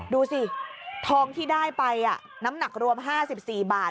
ดูสิทองที่ได้ไปน้ำหนักรวม๕๔บาท